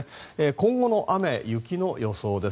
今後の雨・雪の予想です。